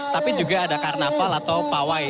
tapi juga ada karnaval atau pawai